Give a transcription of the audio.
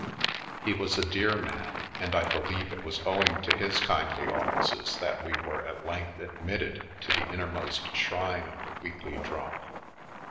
He was a dear man, and I believe it was owing to his kindly offices that we were at length admitted to the innermost shrine of the Weekly Drum.